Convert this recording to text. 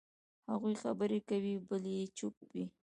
هغوی خبرې کوي، بل یې چوپ وي.